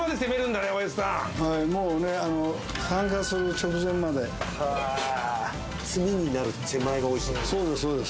もうね炭化する直前まで炭になる手前がおいしいそうです